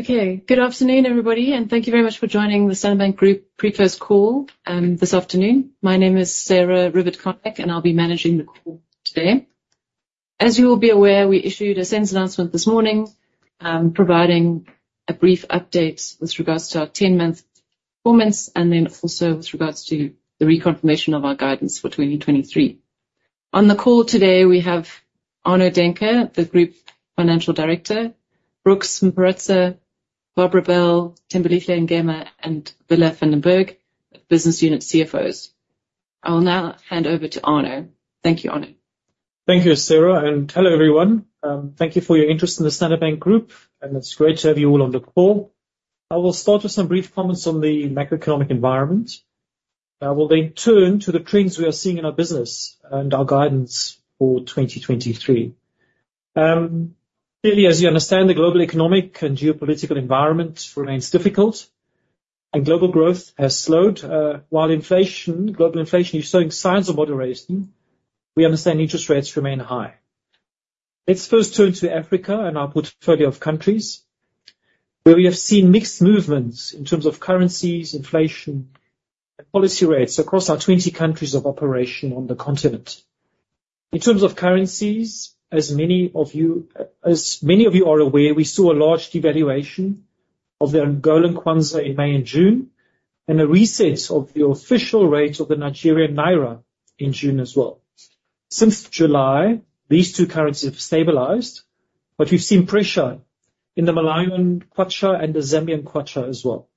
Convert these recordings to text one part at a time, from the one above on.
Okay, good afternoon, everybody, and thank you very much for joining the Standard Bank Group pre-close call, this afternoon. My name is Sarah Rivett-Carnac, and I'll be managing the call today. As you will be aware, we issued a SENS announcement this morning, providing a brief update with regards to our 10-month performance, and then also with regards to the reconfirmation of our guidance for 2023. On the call today, we have Arno Daehnke, the group financial director, Brooks Mparutsa, Barbara Bell, Thembelihle Ngema, and Willa van den Berg, business unit CFOs. I will now hand over to Arno. Thank you, Arno. Thank you, Sarah, and hello, everyone. Thank you for your interest in the Standard Bank Group, and it's great to have you all on the call. I will start with some brief comments on the macroeconomic environment. I will then turn to the trends we are seeing in our business and our guidance for 2023. Clearly, as you understand, the global economic and geopolitical environment remains difficult and global growth has slowed. While inflation, global inflation is showing signs of moderation, we understand interest rates remain high. Let's first turn to Africa and our portfolio of countries, where we have seen mixed movements in terms of currencies, inflation, and policy rates across our 20 countries of operation on the continent. In terms of currencies, as many of you, as many of you are aware, we saw a large devaluation of the Angolan kwanza in May and June, and a reset of the official rate of the Nigerian naira in June as well. Since July, these two currencies have stabilized, but we've seen pressure in the Malawian kwacha and the Zambian kwacha as well.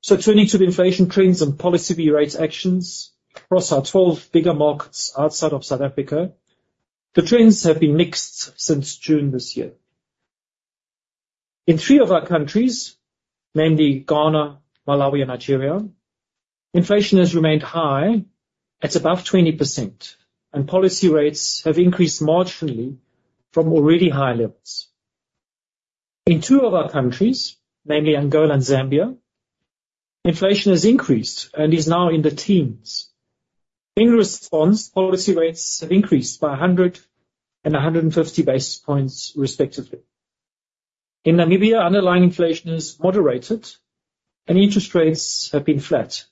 So turning to the inflation trends and policy re-rate actions across our 12 bigger markets outside of South Africa, the trends have been mixed since June this year. In three of our countries, mainly Ghana, Malawi, and Nigeria, inflation has remained high at above 20%, and policy rates have increased marginally from already high levels. In two of our countries, namely Angola and Zambia, inflation has increased and is now in the teens. In response, policy rates have increased by 100 and 150 basis points, respectively. In Namibia, underlying inflation is moderated and interest rates have been flat.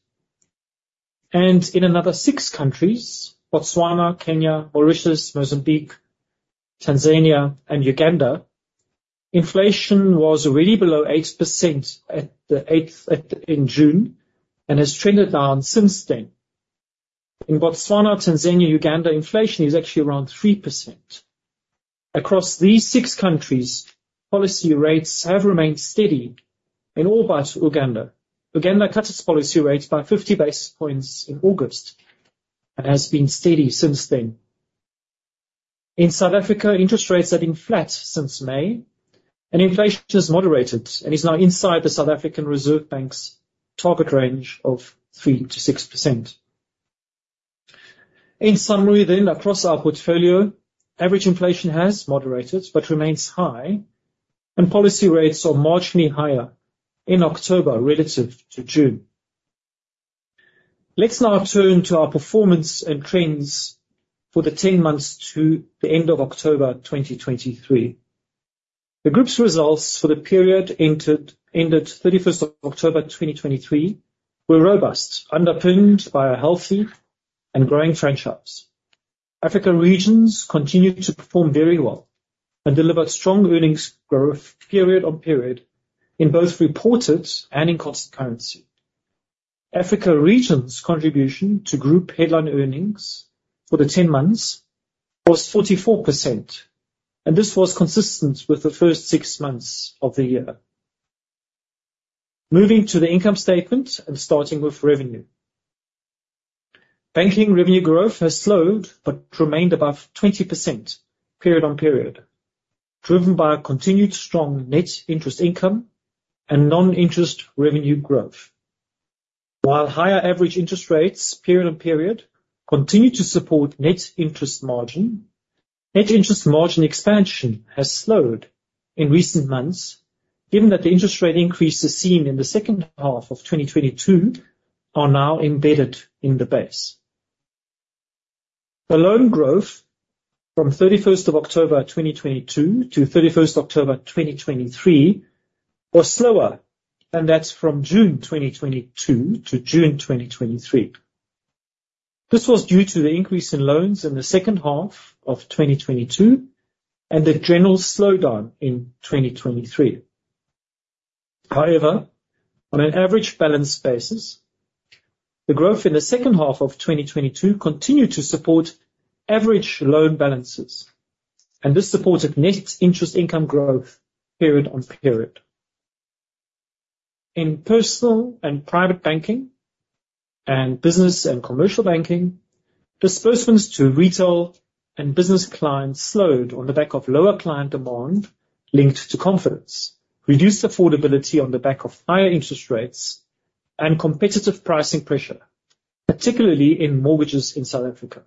In another six countries, Botswana, Kenya, Mauritius, Mozambique, Tanzania, and Uganda, inflation was already below 8% in June, and has trended down since then. In Botswana, Tanzania, Uganda, inflation is actually around 3%. Across these six countries, policy rates have remained steady in all but Uganda. Uganda cut its policy rates by 50 basis points in August and has been steady since then. In South Africa, interest rates have been flat since May, and inflation has moderated and is now inside the South African Reserve Bank's target range of 3%-6%. In summary then, across our portfolio, average inflation has moderated but remains high, and policy rates are marginally higher in October relative to June. Let's now turn to our performance and trends for the 10 months to the end of October 2023. The group's results for the period ended 31st of October 2023 were robust, underpinned by a healthy and growing franchise. Africa regions continued to perform very well and delivered strong earnings growth period on period in both reported and in constant currency. Africa regions' contribution to group headline earnings for the 10 months was 44%, and this was consistent with the first six months of the year. Moving to the income statement and starting with revenue. Banking revenue growth has slowed but remained above 20% period on period, driven by a continued strong net interest income and non-interest revenue growth. While higher average interest rates period on period continue to support net interest margin, net interest margin expansion has slowed in recent months, given that the interest rate increases seen in the second half of 2022 are now embedded in the base. The loan growth from 31st of October 2022 to 31st October 2023 was slower, and that's from June 2022 to June 2023. This was due to the increase in loans in the second half of 2022 and the general slowdown in 2023. However, on an average balance basis, the growth in the second half of 2022 continued to support average loan balances, and this supported net interest income growth period on period. In Personal and Private banking and Business and Commercial Banking, disbursements to retail and business clients slowed on the back of lower client demand linked to confidence, reduced affordability on the back of higher interest rates, and competitive pricing pressure, particularly in mortgages in South Africa.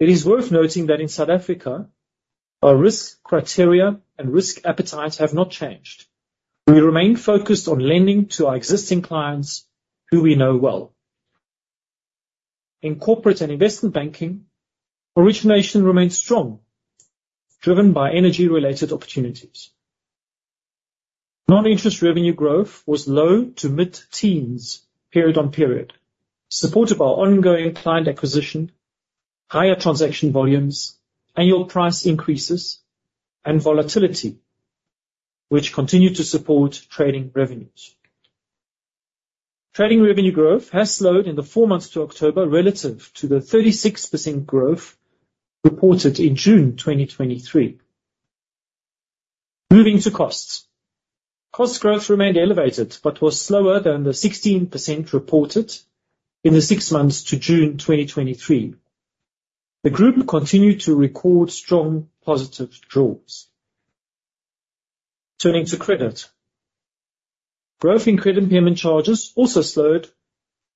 It is worth noting that in South Africa, our risk criteria and risk appetite have not changed. We remain focused on lending to our existing clients who we know well.... In Corporate and Investment Banking, origination remains strong, driven by energy-related opportunities. Non-interest revenue growth was low to mid-teens period on period, supported by ongoing client acquisition, higher transaction volumes, annual price increases, and volatility, which continued to support trading revenues. Trading revenue growth has slowed in the four months to October relative to the 36% growth reported in June 2023. Moving to costs. Cost growth remained elevated, but was slower than the 16% reported in the six months to June 2023. The group continued to record strong positive jaws. Turning to credit. Growth in credit impairment charges also slowed,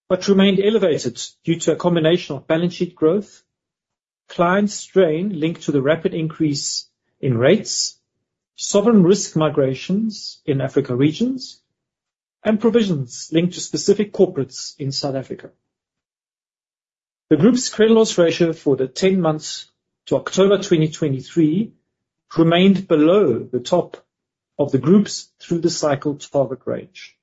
but remained elevated due to a combination of balance sheet growth, client strain linked to the rapid increase in rates, sovereign risk migrations in Africa regions, and provisions linked to specific corporates in South Africa. The group's credit loss ratio for the ten months to October 2023 remained below the top of the group's through-the-cycle target range.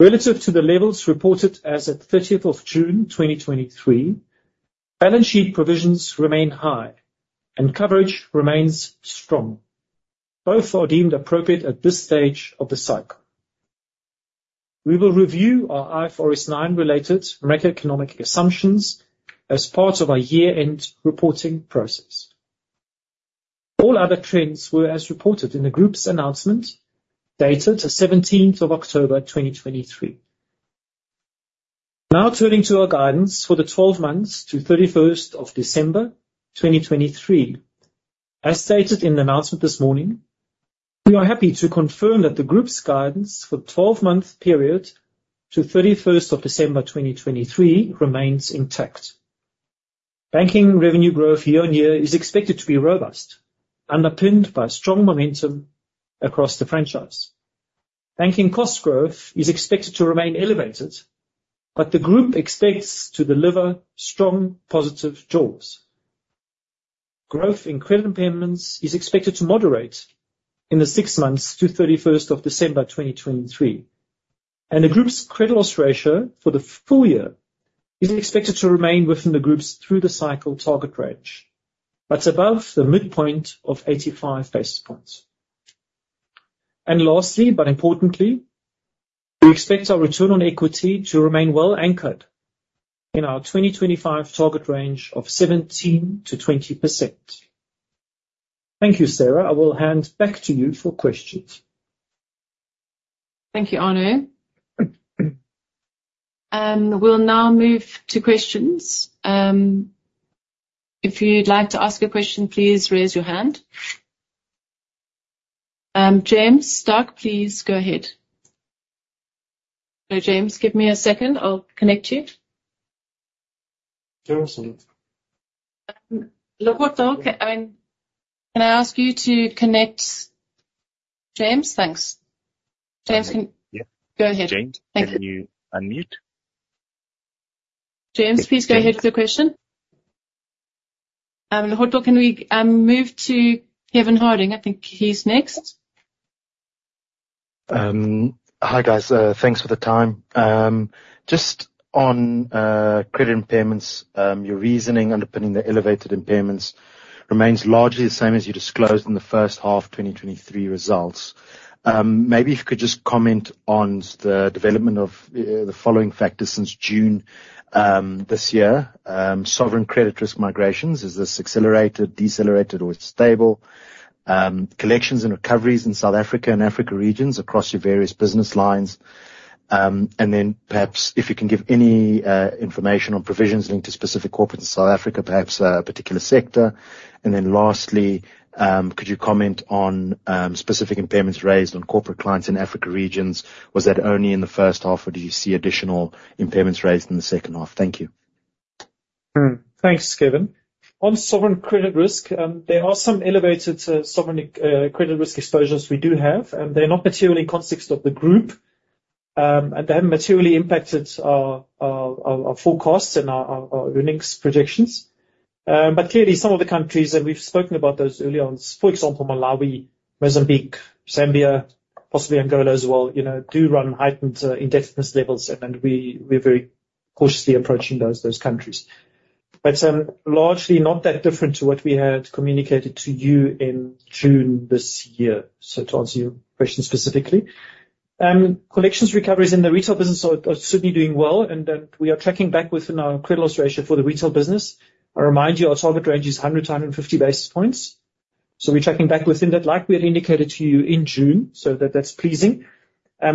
Relative to the levels reported as at 30th of June 2023, balance sheet provisions remain high, and coverage remains strong. Both are deemed appropriate at this stage of the cycle. We will review our IFRS 9 related macroeconomic assumptions as part of our year-end reporting process. All other trends were as reported in the group's announcement, dated the 17th of October 2023. Now, turning to our guidance for the 12 months to 31st of December 2023. As stated in the announcement this morning, we are happy to confirm that the group's guidance for the 12-month period to 31st of December 2023 remains intact. Banking revenue growth year-on-year is expected to be robust, underpinned by strong momentum across the franchise. Banking cost growth is expected to remain elevated, but the group expects to deliver strong positive jaws. Growth in credit impairments is expected to moderate in the 6 months to 31st of December 2023, and the group's credit loss ratio for the full year is expected to remain within the group's through-the-cycle target range, but above the midpoint of 85 basis points. Lastly, but importantly, we expect our return on equity to remain well anchored in our 2025 target range of 17%-20%. Thank you, Sarah. I will hand back to you for questions. Thank you, Arno. We'll now move to questions. If you'd like to ask a question, please raise your hand. James Starke, please go ahead. Hello, James, give me a second. I'll connect you. James isn't- Logortho, can I ask you to connect James? Thanks. James, can- Yeah. Go ahead. James- Thank you. Can you unmute? James, please go ahead with your question. Logortho, can we move to Kevin Harding? I think he's next. Hi, guys. Thanks for the time. Just on credit impairments, your reasoning underpinning the elevated impairments remains largely the same as you disclosed in the first half of 2023 results. Maybe if you could just comment on the development of the following factors since June this year. Sovereign credit risk migrations, has this accelerated, decelerated, or is stable? Collections and recoveries in South Africa and Africa regions across your various business lines. And then perhaps if you can give any information on provisions linked to specific corporates in South Africa, perhaps a particular sector. And then lastly, could you comment on specific impairments raised on corporate clients in Africa regions? Was that only in the first half, or do you see additional impairments raised in the second half? Thank you. Thanks, Kevin. On sovereign credit risk, there are some elevated sovereign credit risk exposures we do have, and they're not materially in context of the group. And they haven't materially impacted our full costs and our earnings projections. But clearly, some of the countries, and we've spoken about those earlier on, for example, Malawi, Mozambique, Zambia, possibly Angola as well, you know, do run heightened indebtedness levels, and we're very cautiously approaching those countries. But largely not that different to what we had communicated to you in June this year, so to answer your question specifically. Collections recoveries in the retail business are certainly doing well, and we are tracking back within our credit loss ratio for the retail business. I remind you, our target range is 100-150 basis points, so we're tracking back within that, like we had indicated to you in June. So that, that's pleasing.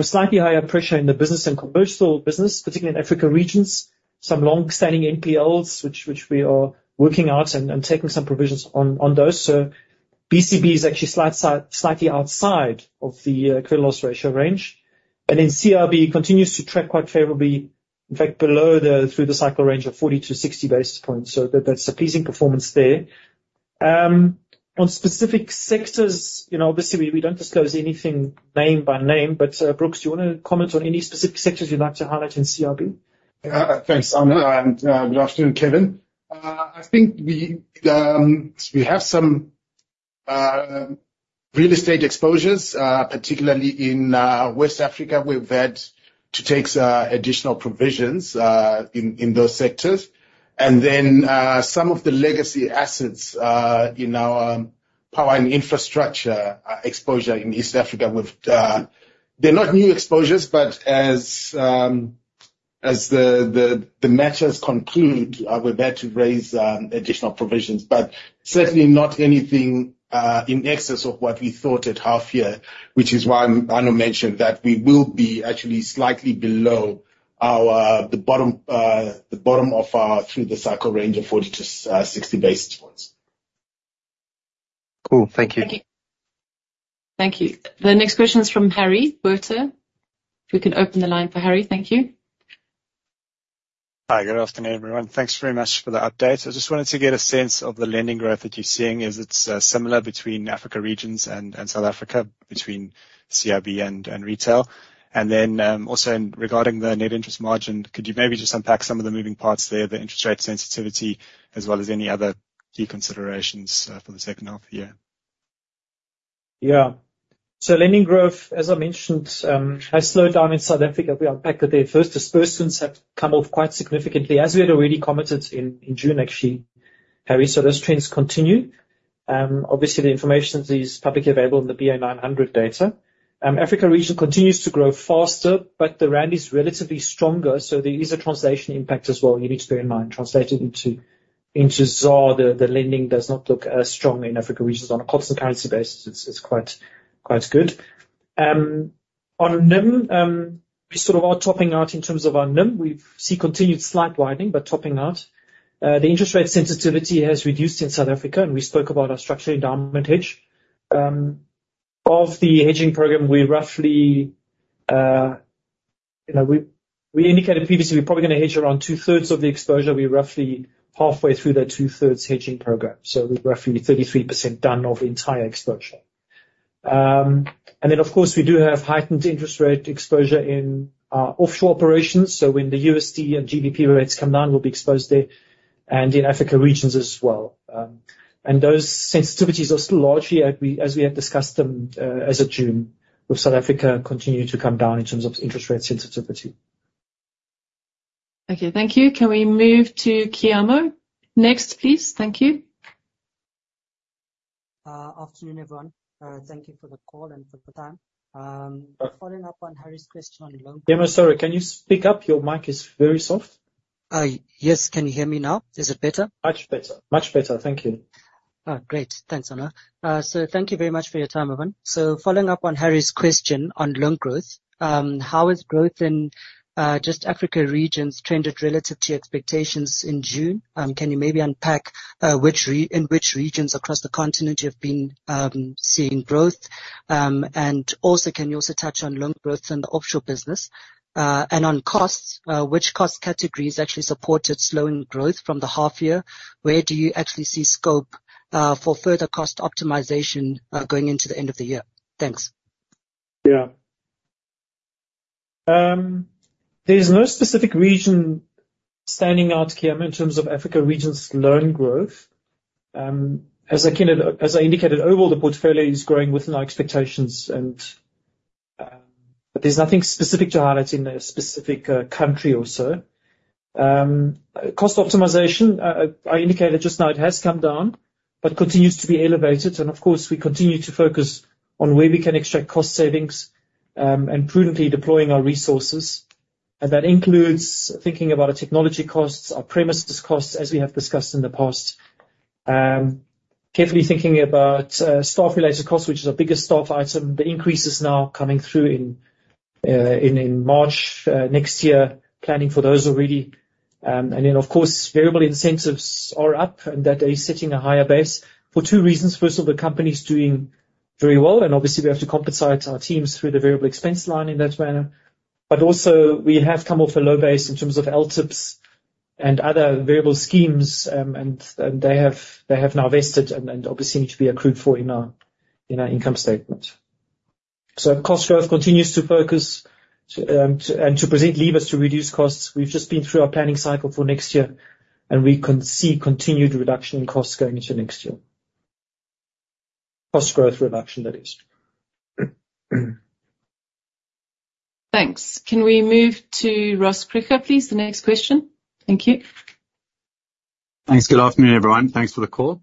Slightly higher pressure in the business and commercial business, particularly in Africa regions. Some long-standing NPLs, which we are working out and taking some provisions on those. So BCB is actually slightly outside of the credit loss ratio range. And then CRB continues to track quite favorably, in fact, below the through-the-cycle range of 40-60 basis points. So that, that's a pleasing performance there. On specific sectors, you know, obviously, we don't disclose anything name by name, but, Brooks, do you want to comment on any specific sectors you'd like to highlight in CIB? Thanks, Arno, and good afternoon, Kevin. I think we have some real estate exposures, particularly in West Africa, where we've had to take additional provisions in those sectors. And then some of the legacy assets in our power and infrastructure exposure in East Africa with... They're not new exposures, but as the matters conclude, we've had to raise additional provisions. But certainly not anything in excess of what we thought at half year, which is why Arno mentioned that we will be actually slightly below the bottom of our through the cycle range of 40-60 basis points. Cool. Thank you. Thank you. Thank you. The next question is from Harry Botha. If we could open the line for Harry. Thank you. Hi. Good afternoon, everyone. Thanks very much for the update. I just wanted to get a sense of the lending growth that you're seeing. Is it similar between Africa regions and South Africa, between CIB and retail? And then, also in regarding the net interest margin, could you maybe just unpack some of the moving parts there, the interest rate sensitivity, as well as any other key considerations for the second half of the year? Yeah. So lending growth, as I mentioned, has slowed down in South Africa. We unpacked that there. First, disbursements have come off quite significantly, as we had already commented in, in June, actually, Harry, so those trends continue. Obviously, the information is publicly available in the BA 900 data. Africa region continues to grow faster, but the rand is relatively stronger, so there is a translation impact as well you need to bear in mind. Translated into, into ZAR, the, the lending does not look as strong in Africa regions. On a constant currency basis, it's, it's quite, quite good. On NIM, we sort of are topping out in terms of our NIM. We see continued slight widening, but topping out. The interest rate sensitivity has reduced in South Africa, and we spoke about our structural endowment hedge. Of the hedging program, we roughly, you know, we, we indicated previously, we're probably gonna hedge around two-thirds of the exposure. We're roughly halfway through that two-thirds hedging program, so we're roughly 33% done of the entire exposure. And then, of course, we do have heightened interest rate exposure in our offshore operations, so when the USD and GBP rates come down, we'll be exposed there and in Africa regions as well. And those sensitivities are still largely as we, as we have discussed them, as of June, with South Africa continuing to come down in terms of interest rate sensitivity. Okay, thank you. Can we move to Kiamo next, please? Thank you. Afternoon, everyone. Thank you for the call and for the time. Following up on Harry's question- Kiamo, sorry, can you speak up? Your mic is very soft. Yes. Can you hear me now? Is it better? Much better. Much better. Thank you. Oh, great. Thanks, Arno. So thank you very much for your time, everyone. So following up on Harry's question on loan growth, how has growth in just Africa regions trended relative to expectations in June? Can you maybe unpack which regions across the continent you have been seeing growth? And also, can you touch on loan growth in the offshore business? And on costs, which cost categories actually supported slowing growth from the half year? Where do you actually see scope for further cost optimization going into the end of the year? Thanks. Yeah. There's no specific region standing out, Kiamo, in terms of Africa regions' loan growth. As I indicated, overall, the portfolio is growing within our expectations, and but there's nothing specific to highlight in a specific country or so. Cost optimization, I indicated just now, it has come down, but continues to be elevated. And of course, we continue to focus on where we can extract cost savings, and prudently deploying our resources. And that includes thinking about our technology costs, our premises costs, as we have discussed in the past. Carefully thinking about staff-related costs, which is our biggest staff item. The increase is now coming through in March next year. Planning for those already. And then, of course, variable incentives are up, and that is setting a higher base for two reasons. First of all, the company is doing very well, and obviously, we have to compensate our teams through the variable expense line in that manner. But also, we have come off a low base in terms of LTIPs and other variable schemes, and, and they have, they have now vested and, and obviously need to be accrued for in our, in our income statement. So cost growth continues to focus, to, and to present levers to reduce costs. We've just been through our planning cycle for next year, and we can see continued reduction in costs going into next year. Cost growth reduction, that is. Thanks. Can we move to Ross Creek, please, the next question? Thank you. Thanks. Good afternoon, everyone. Thanks for the call.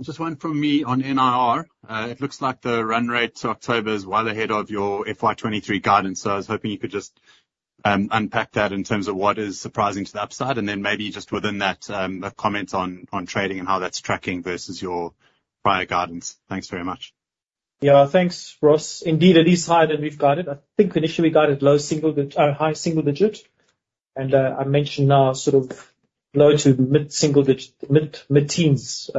Just one from me on NIR. It looks like the run rate to October is well ahead of your FY 2023 guidance, so I was hoping you could just unpack that in terms of what is surprising to the upside. And then maybe just within that, a comment on trading and how that's tracking versus your prior guidance. Thanks very much. Yeah. Thanks, Ross. Indeed, it is higher than we've guided. I think initially, we guided low single digit to high single digit, and I mentioned our sort of low to mid-single digit, mid-teens.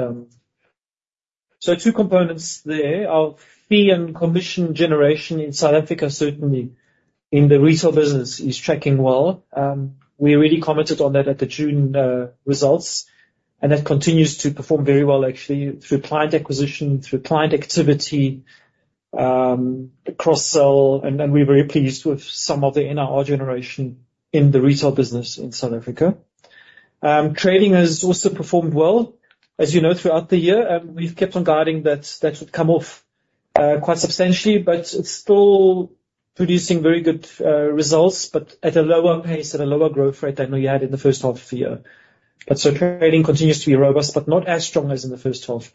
So two components there. Our fee and commission generation in South Africa, certainly in the retail business, is tracking well. We already commented on that at the June results, and that continues to perform very well actually, through client acquisition, through client activity, cross-sell. And we're very pleased with some of the NIR generation in the retail business in South Africa. Trading has also performed well. As you know, throughout the year, we've kept on guiding that that would come off, quite substantially, but it's still producing very good, results, but at a lower pace, at a lower growth rate than we had in the first half of the year. But so trading continues to be robust, but not as strong as in the first half.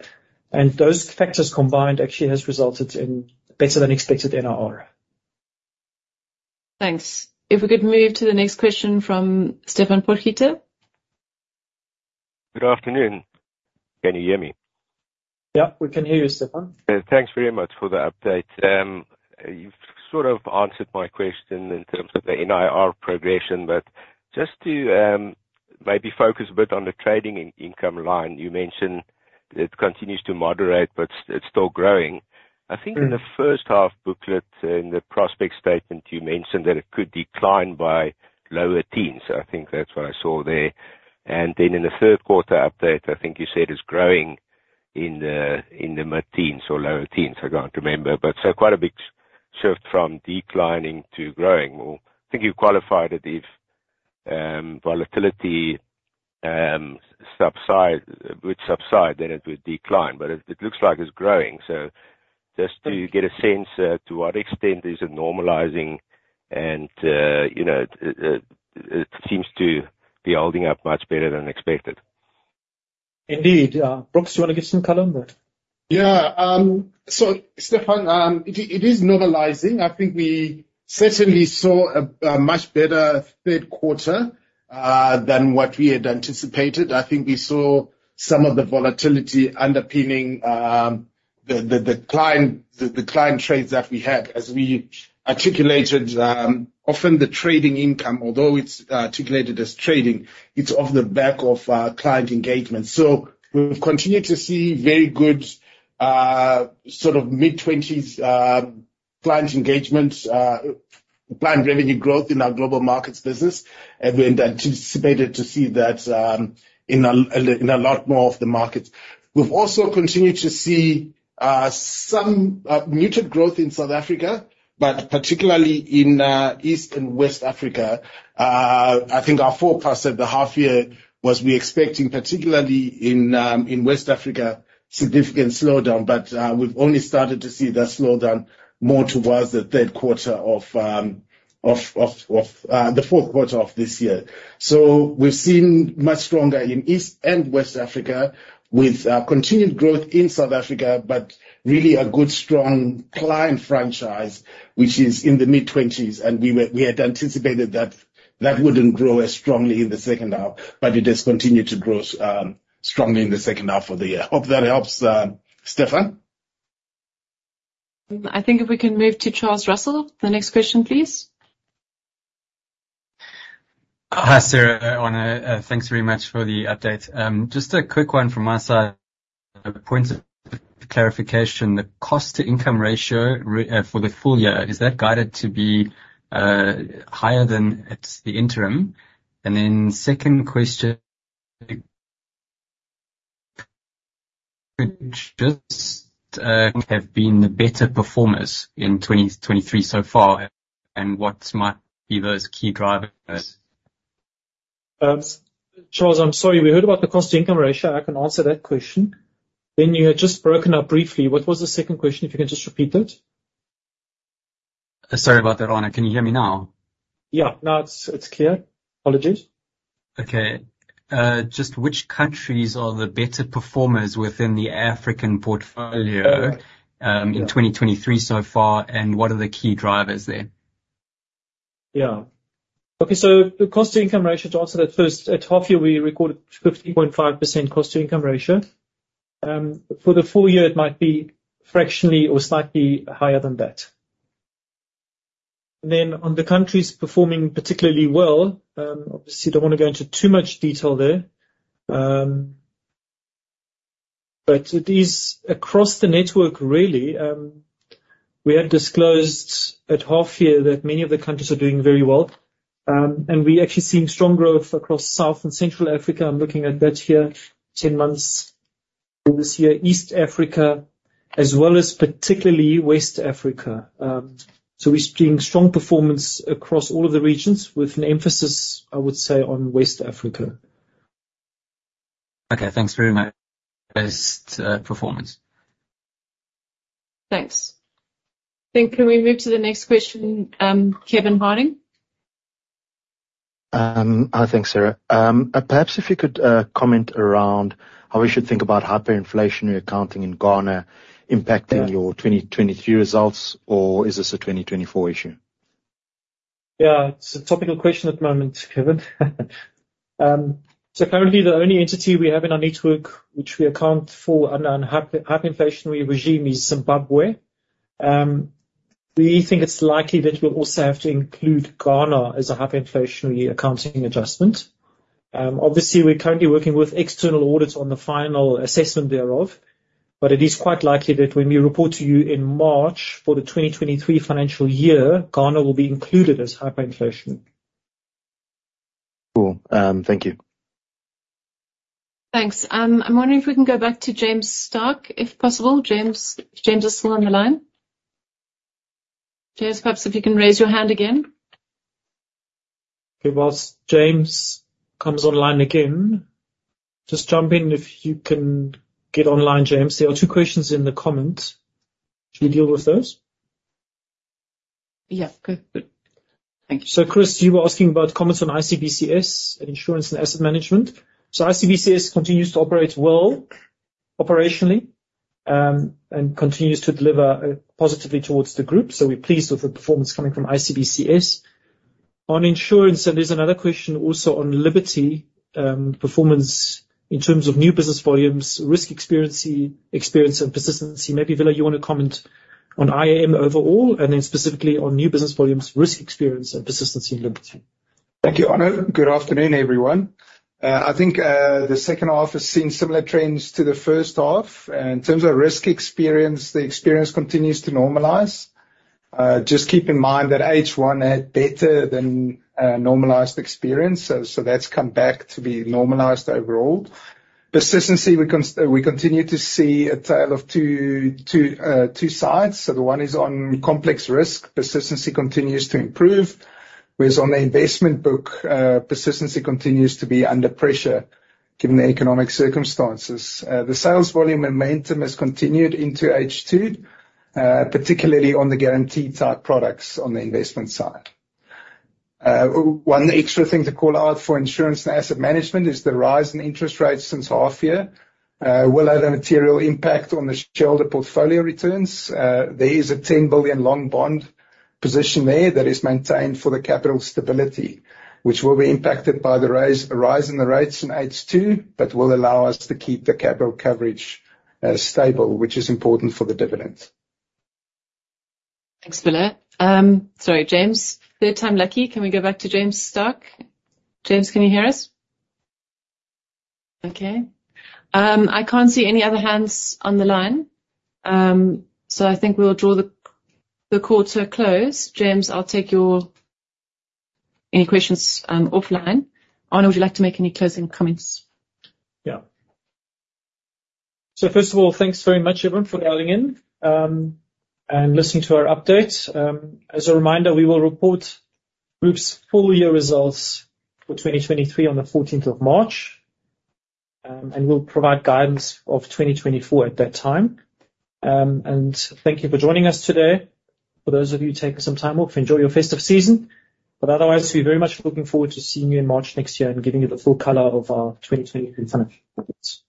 And those factors combined actually has resulted in better than expected NIR. Thanks. If we could move to the next question from Stefan Pogaita. Good afternoon. Can you hear me? Yeah, we can hear you, Stefan. Thanks very much for the update. You've sort of answered my question in terms of the NIR progression. But just to maybe focus a bit on the trading income line, you mentioned it continues to moderate, but it's still growing. Mm. I think in the first half booklet, in the prospect statement, you mentioned that it could decline by lower teens. I think that's what I saw there. And then in the third quarter update, I think you said it's growing in the mid-teens or lower teens, I can't remember. But so quite a big shift from declining to growing, or I think you qualified it, if volatility would subside, then it would decline, but it seems to be holding up much better than expected. Indeed. Yeah. Brooks, you wanna give some color on that? Yeah. So Stefan, it is normalizing. I think we certainly saw a much better third quarter than what we had anticipated. I think we saw some of the volatility underpinning the client trades that we had. As we articulated, often the trading income, although it's articulated as trading, it's off the back of client engagement. So we've continued to see very good sort of mid-twenties client engagement client revenue growth in our Global Markets business, and we anticipated to see that in a lot more of the markets. We've also continued to see some muted growth in South Africa, but particularly in East and West Africa. I think our forecast at the half year was we expecting, particularly in West Africa, significant slowdown, but we've only started to see that slowdown more towards the third quarter of the fourth quarter of this year. So we've seen much stronger in East and West Africa, with continued growth in South Africa, but really a good, strong client franchise, which is in the mid-20s. And we had anticipated that that wouldn't grow as strongly in the second half, but it has continued to grow strongly in the second half of the year. Hope that helps, Stefan. I think if we can move to Charles Russell, the next question, please. Hi, Sarah. Thanks very much for the update. Just a quick one from my side. A point of clarification, the cost to income ratio re for the full year, is that guided to be higher than at the interim? And then second question, which just have been the better performers in 2023 so far, and what might be those key drivers? Charles, I'm sorry, we heard about the cost to income ratio. I can answer that question. Then you had just broken up briefly. What was the second question? If you can just repeat that. Sorry about that, Honor. Can you hear me now? Yeah. Now it's, it's clear. Apologies. Okay. Just which countries are the better performers within the African portfolio? Okay. In 2023 so far, and what are the key drivers there? Yeah. Okay, so the cost to income ratio, to answer that first, at half year, we recorded 50.5% cost to income ratio. For the full year, it might be fractionally or slightly higher than that. Then on the countries performing particularly well, obviously, don't want to go into too much detail there, but it is across the network really. We had disclosed at half year that many of the countries are doing very well, and we actually seen strong growth across South and Central Africa. I'm looking at that here, 10 months for this year, East Africa, as well as particularly West Africa. So we're seeing strong performance across all of the regions, with an emphasis, I would say, on West Africa. Okay. Thanks very much. Best performance. Thanks. Then can we move to the next question, Kevin Harding? Hi. Thanks, Sarah. Perhaps if you could comment around how we should think about hyperinflationary accounting in Ghana impacting- Yeah - your 2023 results, or is this a 2024 issue? Yeah, it's a topical question at the moment, Kevin. So currently the only entity we have in our network which we account for under a hyperinflationary regime is Zimbabwe. We think it's likely that we'll also have to include Ghana as a hyperinflationary accounting adjustment. Obviously, we're currently working with external audits on the final assessment thereof, but it is quite likely that when we report to you in March for the 2023 financial year, Ghana will be included as hyperinflation. Cool. Thank you. Thanks. I'm wondering if we can go back to James Starke, if possible. James, if James is still on the line. James, perhaps if you can raise your hand again. Okay. While James comes online again, just jump in if you can get online, James. There are two questions in the comments. Should we deal with those? Yeah, go ahead. Thank you. So, Chris, you were asking about comments on ICBCS and Insurance and Asset Management. So ICBCS continues to operate well operationally, and continues to deliver positively towards the group, so we're pleased with the performance coming from ICBCS. On insurance, and there's another question also on Liberty, performance in terms of new business volumes, risk experience, and persistency. Maybe, Wille, you want to comment on IAM overall, and then specifically on new business volumes, risk experience, and persistency in Liberty. Thank you, Arno. Good afternoon, everyone. I think the second half has seen similar trends to the first half. In terms of risk experience, the experience continues to normalize. Just keep in mind that H1 had better than normalized experience, so that's come back to be normalized overall. Persistency, we continue to see a tale of two sides. So the one is on complex risk. Persistency continues to improve, whereas on the investment book, persistency continues to be under pressure given the economic circumstances. The sales volume and momentum has continued into H2, particularly on the guaranteed type products on the investment side. One extra thing to call out for Insurance and Asset Management is the rise in interest rates since half year will have a material impact on the shareholder portfolio returns. There is a 10 billion long bond position there that is maintained for the capital stability, which will be impacted by the rise, a rise in the rates in H2, but will allow us to keep the capital coverage stable, which is important for the dividend. Thanks, Wille. Sorry, James. Third time lucky. Can we go back to James Starke? James, can you hear us? Okay. I can't see any other hands on the line, so I think we'll draw the call to a close. James, I'll take your any questions offline. Arno, would you like to make any closing comments? Yeah. So first of all, thanks very much, everyone, for dialing in, and listening to our update. As a reminder, we will report group's full year results for 2023 on the fourteenth of March. We'll provide guidance of 2024 at that time. Thank you for joining us today. For those of you taking some time off, enjoy your festive season, but otherwise, we're very much looking forward to seeing you in March next year and giving you the full color of our 2023 financial reports.